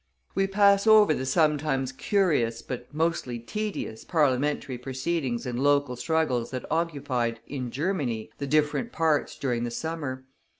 We pass over the sometimes curious, but mostly tedious, parliamentary proceedings and local struggles that occupied, in Germany, the different parties during the summer.